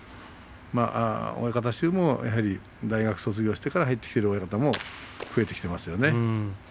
親方衆もやはり大学を卒業してから入ってくる親方も増えてきていますね。